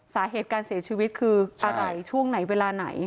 สาเหตุการเสียชีวิตคืออะไรช่วงไหนเวลาไหน